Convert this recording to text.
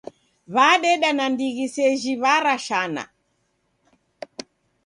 W'adeda nandighi seji w'arashana.